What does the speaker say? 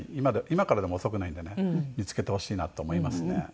今からでも遅くないんでね見つけてほしいなと思いますね。